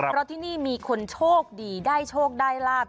เพราะที่นี่มีคนโชคดีได้โชคได้ลาบ